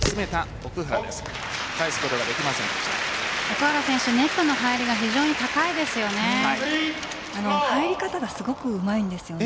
奥原選手ネットの入りが速いですよね。